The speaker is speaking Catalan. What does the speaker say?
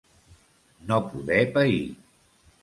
No poder pair.